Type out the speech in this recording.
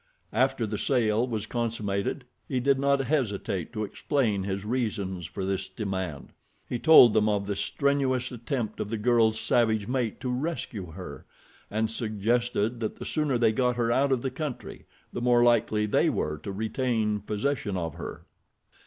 After the sale was consummated he did not hesitate to explain his reasons for this demand. He told them of the strenuous attempt of the girl's savage mate to rescue her, and suggested that the sooner they got her out of the country the more likely they were to retain possession of her.